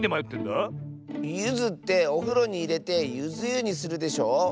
ゆずっておふろにいれてゆずゆにするでしょ？